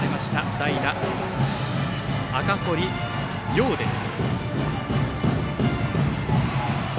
代打、赤堀耀一です。